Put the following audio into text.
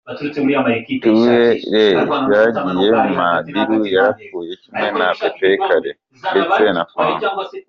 Tabu ley yaragiye, Madilu yarapfuye kimwe na Pepe kale ndetse na Franco.